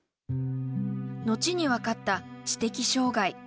後に分かった知的障がい。